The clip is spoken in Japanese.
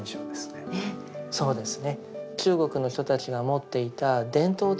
そうですね。